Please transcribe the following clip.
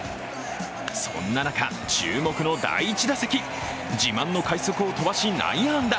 そんな中、注目の第１打席、自慢の快足を飛ばし、内野安打。